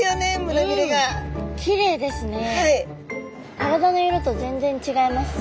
体の色と全然違いますね。